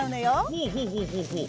ほうほうほうほうほう。